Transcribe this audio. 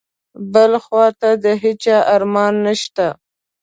بل خواته د هیچا امان نشته.